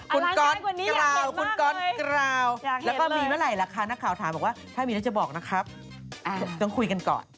คุณก๊อตกราวคุณก๊อตกราวแล้วก็มีเมื่อไหร่ล่ะคะนักข่าวถามบอกว่าถ้ามีแล้วจะบอกนะครับต้องคุยกันก่อน